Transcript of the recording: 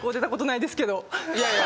いやいや。